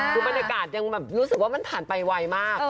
คือบรรยากาศยังแบบรู้สึกว่ามันผ่านไปไวมาก